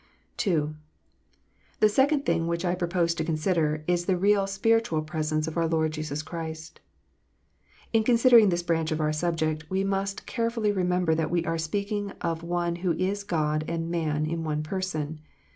II. The second thing which I propose to consider, is the real spiritual presence of our Lord Jesus Christ. In considering this branch of our subject, we must carefully remember that we are speaking of One who is God and man in one Person.